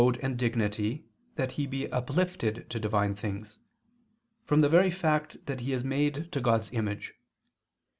2: It belongs to man's mode and dignity that he be uplifted to divine things, from the very fact that he is made to God's image.